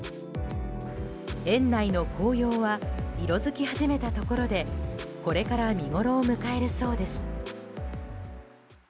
園内の紅葉は色づき始めたところでこれから見ごろを迎えるそうです。